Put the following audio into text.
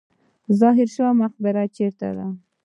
ظاهر شاه مقبره چیرته ده؟